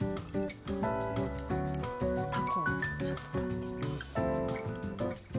たこをちょっと食べてみよう。